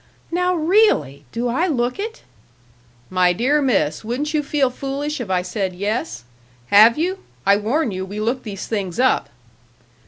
"Now really ! Do I look it?" "My dear miss, wouldn't you feel foolish if I said 'yes'? Have you? I warn you we look these things up!"